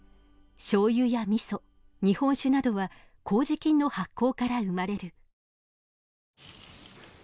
しょうゆやみそ日本酒などは麹菌の発酵から生まれる。